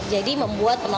jadi membuat penonton